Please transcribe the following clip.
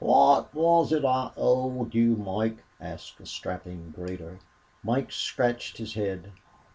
"Wot was ut I owed ye, Moike?" asked a strapping grader. Mike scratched his head.